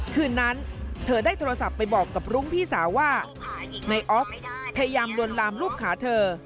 คืนนั้นเธอได้โทรศัพท์ไปบอกกับรุ้งพี่สาวว่านายออฟพยายามลวนลามลูกขาเธอ